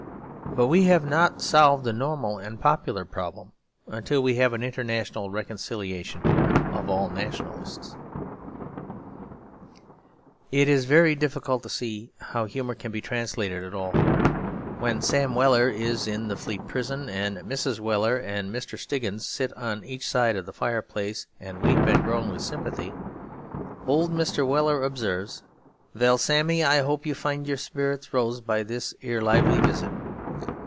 But we have not solved the normal and popular problem until we have an international reconciliation of all nationalists. It is very difficult to see how humour can be translated at all. When Sam Weller is in the Fleet Prison and Mrs. Weller and Mr. Stiggins sit on each side of the fireplace and weep and groan with sympathy, old Mr. Weller observes, 'Vell, Sammy, I hope you find your spirits rose by this 'ere lively visit.'